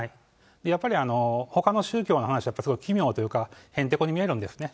やっぱりほかの宗教の話は、すごく奇妙というか、へんてこに見えるんですね。